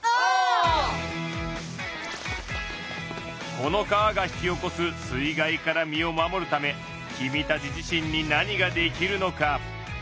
この川が引き起こす水害から身を守るためキミたち自身に何ができるのか？